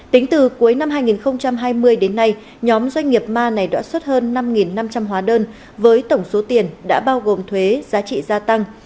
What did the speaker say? tính từ cuối năm hai nghìn hai mươi đến nay nhóm doanh nghiệp ma này đã xuất hơn năm năm trăm linh hóa đơn với tổng số tiền đã bao gồm thuế giá trị gia tăng